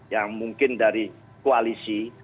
yang mungkin dari koalisi